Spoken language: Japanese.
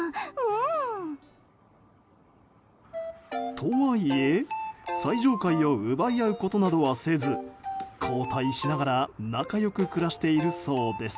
とはいえ最上階を奪い合うことなどはせず交代しながら仲良く暮らしているそうです。